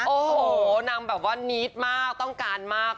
โอ้โหนางแบบว่านีดมากต้องการมาก